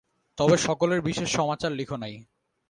তবে সকলের বিশেষ সমাচার লিখ নাই।